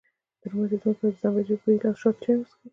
د روماتیزم لپاره د زنجبیل او شاتو چای وڅښئ